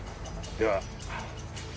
では。